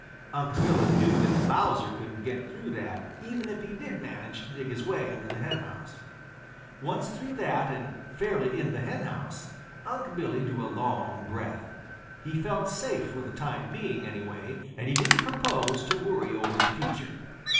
Unc' Billy knew that Bowser couldn't get through that, even if he did manage to dig his way under the henhouse. Once through that and fairly in the henhouse, Unc' Billy drew a long breath. He felt safe for the time being, anyway, and he didn't propose to worry over the future.